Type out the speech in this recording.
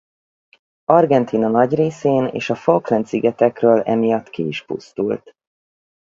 Argentína nagy részén és a Falkland-szigetekről emiatt ki is pusztult.